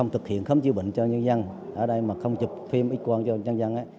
thực hiện khám chi phí bệnh cho người dân ở đây mà không chụp phim x quang cho người dân